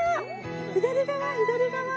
左側左側。